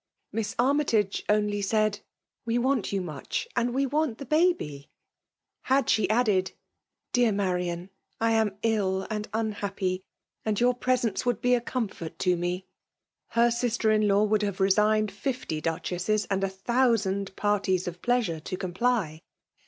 Miss Armytage only said —" We want you much, and we want the baby." Had she added —'' Dear Marian, I am ill and FEMALE DOMINATION. 273 QBhappy, and your presence would be a com* fort to me," — her sister in law would have re signed fifty Duchesses, and a thousand parties of pleasure, to comply.